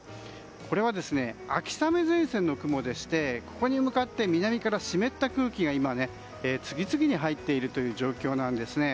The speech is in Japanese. これは、秋雨前線の雲でしてここに向かって南から湿った空気が次々に入っているという状況なんですね。